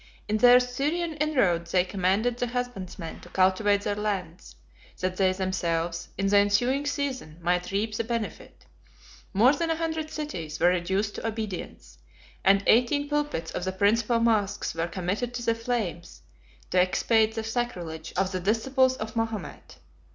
In their Syrian inroads they commanded the husbandmen to cultivate their lands, that they themselves, in the ensuing season, might reap the benefit; more than a hundred cities were reduced to obedience; and eighteen pulpits of the principal moschs were committed to the flames to expiate the sacrilege of the disciples of Mahomet.